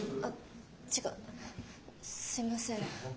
あっ違うすいません。